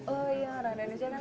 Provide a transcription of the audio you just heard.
oh iya orang indonesia kan